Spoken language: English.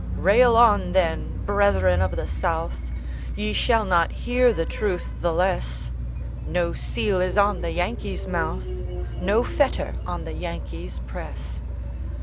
Rail on, then, brethren of the South, Ye shall not hear the truth the less; No seal is on the Yankee's mouth, No fetter on the Yankee's press!